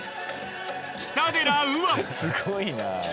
すごいなぁ。